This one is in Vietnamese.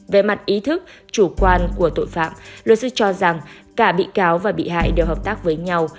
về mặt ý thức chủ quan của tội phạm luật sư cho rằng cả bị cáo và bị hại đều hợp tác với nhau